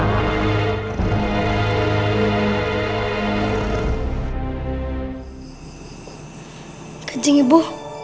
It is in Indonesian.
aku sudah mengalami itu